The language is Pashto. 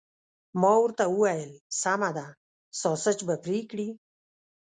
ما ورته وویل: سمه ده، ساسیج به پرې کړي؟